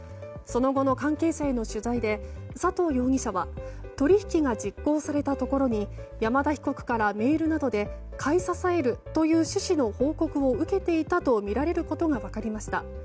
その後の関係者への取材で佐藤容疑者は取引が実行されたところに山田被告からメールなどで買い支えるという趣旨の報告を受けていたとみられることが分かりました。